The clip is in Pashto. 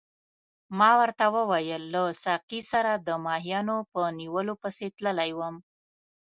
ما ورته وویل له ساقي سره د ماهیانو په نیولو پسې تللی وم.